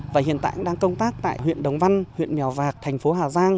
và hiện tại cũng đang công tác tại huyện đồng văn huyện mèo vạc thành phố hà giang